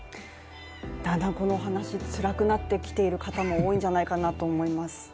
だんだんこの話、つらくなってきている方も多いんじゃないかなと思います。